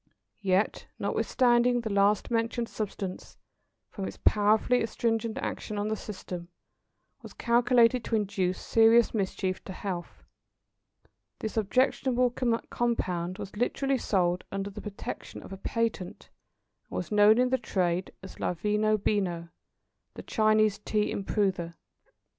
Yet, notwithstanding the last mentioned substance, from its powerfully astringent action on the system, was calculated to induce serious mischief to health, this objectionable compound was literally sold under the protection of a patent, and was known in the trade as "La Veno Beno, the Chinese Tea Improver."